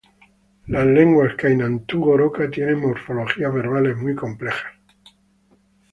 Las lenguas Kainantu-Goroka tienen morfologías verbales muy complejas.